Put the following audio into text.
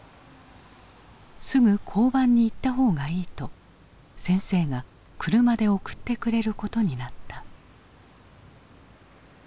すぐ交番に行った方がいいと先生が車で送ってくれることになった。